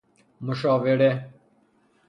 مشاوره